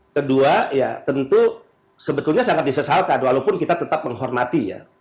kedua ya tentu sebetulnya sangat disesalkan walaupun kita tetap menghormati ya